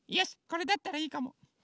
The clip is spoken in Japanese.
これだったらいいかも。